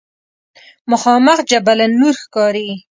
مخامخ جبل نور ښکاري.